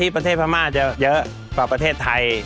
ประเทศพม่าจะเยอะกว่าประเทศไทย